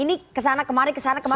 ini kesana kemari kesana kemana